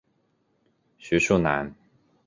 徐树楠。